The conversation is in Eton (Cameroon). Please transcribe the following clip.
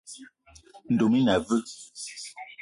Ndoum i na aveu?